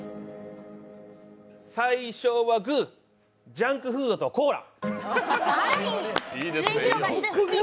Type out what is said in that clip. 最初はグージャンクフードとコーラ！